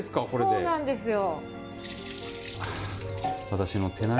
そうなんですよ。